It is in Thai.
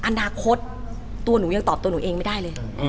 อนาคตตัวหนูยังตอบตัวหนูเองไม่ได้เลย